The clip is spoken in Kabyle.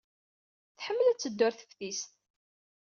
Tḥemmel ad teddu ɣer teftist.